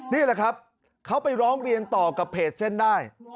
นี่แหละครับเขาไปร้องเรียนต่อกับเพจเส้นได้